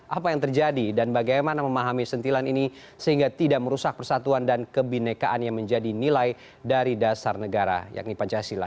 apa yang terjadi dan bagaimana memahami sentilan ini sehingga tidak merusak persatuan dan kebinekaan yang menjadi nilai dari dasar negara yakni pancasila